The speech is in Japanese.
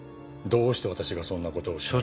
どうして私がそんなことを。